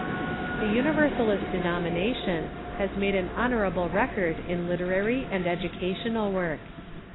The Universalist denomination has made an honorable rec ord in literary and educational work.